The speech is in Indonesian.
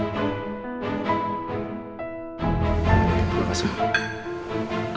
terima kasih bu